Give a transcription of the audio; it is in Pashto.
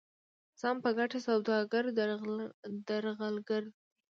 ځان په ګټه سوداګر درغلګر دي.